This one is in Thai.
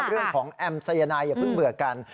เรื่องของแอมบ์ไซยะไนด์อย่าเพิ่งเบือกกัน